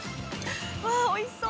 ◆わ、おいしそう。